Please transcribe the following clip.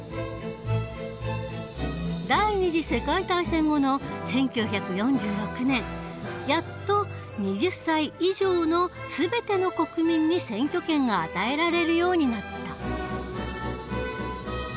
第２次世界大戦後の１９４６年やっと２０歳以上の全ての国民に選挙権が与えられるようになった。